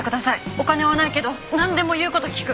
お金はないけどなんでも言う事聞く。